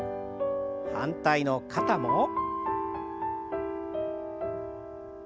反対の肩も。